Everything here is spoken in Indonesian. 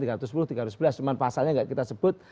cuma pasalnya enggak kita sebut